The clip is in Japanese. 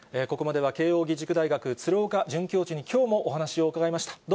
ここまでは慶応義塾大学鶴岡准教授にきょうもお話を伺いました。